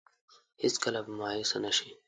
هېڅ کله به مايوسه نه شي.